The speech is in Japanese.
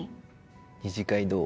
二次会どう？